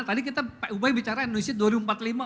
tadi kita pak ubay bicara indonesia